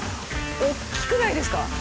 大きくないですか？